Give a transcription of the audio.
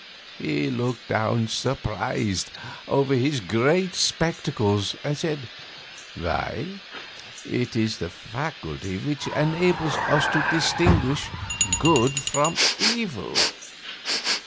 He looked down, surprised, over his great spectacles, and said, "Why, it is the faculty which enables us to distinguish good from evil."